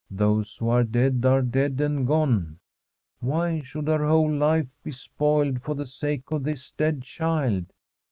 Those who are dead are dead and gone. Why should her whole life be spoiled for the sake of this dead child